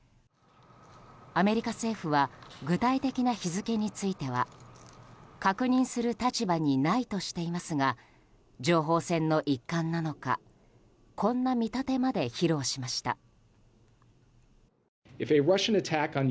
アメリカ政府は具体的な日付については確認する立場にないとしていますが情報戦の一環なのかこんな見立てまで披露しました。